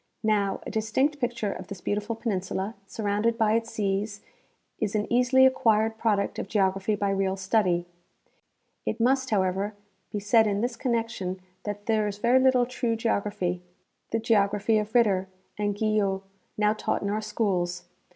Now, a dis tinct picture of this beautiful peninsula, surrounded by its seas, is an easily acquired product of geography by real study. It must, however, be said in this connection that there is very little true geography, the geography of Ritter and Guyot, now taught in our schools.